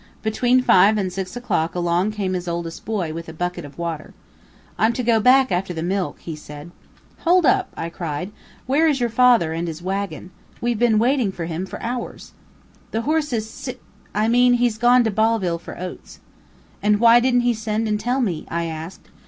Between five and six o'clock along came his oldest boy, with a bucket of water. "I'm to go back after the milk," he said. "Hold up!" I cried. "Where is your father and his wagon? We've been waiting for him for hours." "The horse is si I mean he's gone to Ballville for oats." "And why didn't he send and tell me?" I asked.